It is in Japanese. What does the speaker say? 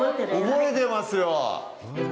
覚えてますよ！